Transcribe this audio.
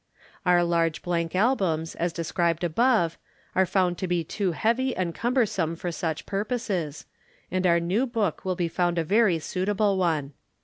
Our large blank Albums, as described above, are found to be too heavy and cumbersome for such purposes, and our new book will be found a very suitable one.